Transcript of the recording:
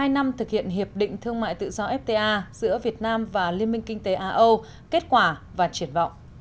hai năm thực hiện hiệp định thương mại tự do fta giữa việt nam và liên minh kinh tế a âu kết quả và triển vọng